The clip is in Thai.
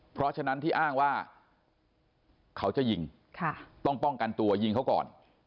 เพราะฉะนั้นที่อ้างว่าเขาจะยิงต้องป้องกันตัวยิงเขาก่อน